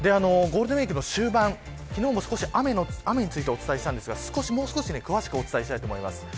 ゴールデンウイークの終盤昨日、雨についてお伝えしましたがもう少し詳しくお伝えします。